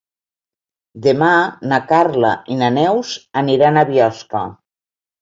Demà na Carla i na Neus aniran a Biosca.